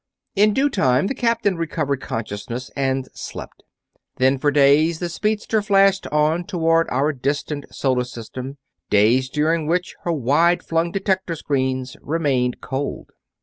In due time the captain recovered consciousness, and slept. Then for days the speedster flashed on toward our distant solar system; days during which her wide flung detector screens remained cold.